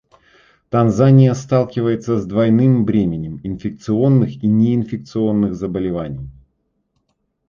Танзания сталкивается с двойным бременем инфекционных и неинфекционных заболеваний.